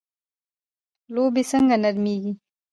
لوبیې څنګه نرمیږي؟